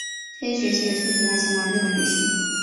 这些学习也促成他前往日本旅行。